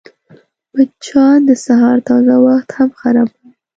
مچان د سهار تازه وخت هم خرابوي